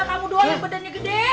kamu doang yang badannya gede